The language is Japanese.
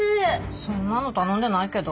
そんなの頼んでないけど。